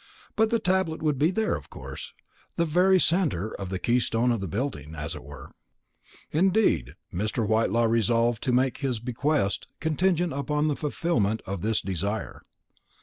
But the tablet would be there, of course, the very centre and keystone of the building, as it were; indeed, Mr. Whitelaw resolved to make his bequest contingent upon the fulfilment of this desire.